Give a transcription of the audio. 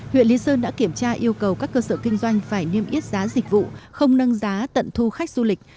huyện lý sơn đã kiểm tra yêu cầu các cơ sở kinh doanh phải niêm yết giá dịch vụ không nâng giá tận thu khách du lịch